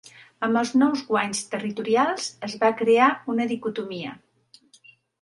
Amb els nous guanys territorials es va crear una dicotomia.